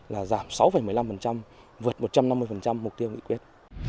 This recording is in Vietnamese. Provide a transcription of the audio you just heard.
là giảm sáu một mươi năm vượt một trăm năm mươi mục tiêu nghị quyết